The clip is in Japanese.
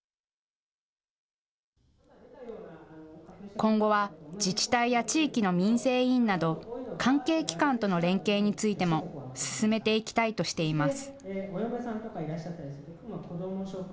今後は自治体や地域の民生委員など、関係機関との連携についても進めていきたいとしています。